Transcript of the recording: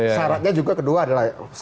sarannya juga kedua adalah